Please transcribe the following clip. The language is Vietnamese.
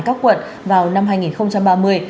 các quận vào năm hai nghìn ba mươi